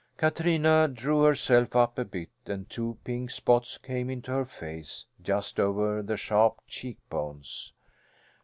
Katrina drew herself up a bit and two pink spots came into her face, just over the sharp cheekbones.